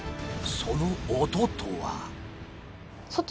その音とは。